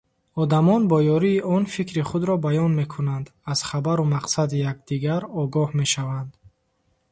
Одамон бо ёрии он фикри худро баён мекунанд, аз хабару мақсади якдигар огоҳ мешаванд.